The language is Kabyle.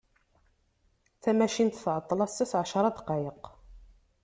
Tamacint tεeṭṭel assa s εecra n ddqayeq.